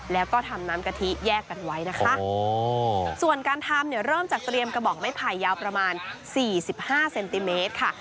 แล้วก็ทำน้ำกะทิแยกกันไว้นะคะส่วนการทำเนี่ยเริ่มจากเตรียมกระบอกไม้ไผ่ยาวประมาณสี่สิบห้าเซนติเมตรค่ะ